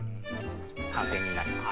完成になります。